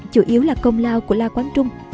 chủ yếu là công lao của la quán trung